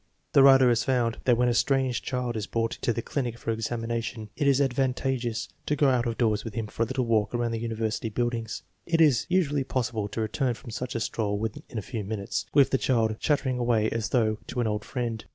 The writer has found that when a strange child is brought to the clinic for examination, it is advantageous to go out of doors with him for a little walk around the university buildings. It is usually possible to return from such a stroll in a few minutes, with the child chattering away as though to an old friend.